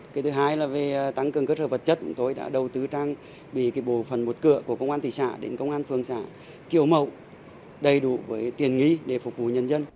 cái thứ hai là về tăng cường cơ sở vật chất chúng tôi đã đầu tư trang bị bộ phần một cửa của công an thị xã đến công an phường xã kiểu mẫu đầy đủ với tiền nghỉ để phục vụ nhân dân